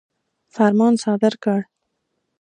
فرمان صادر کړ.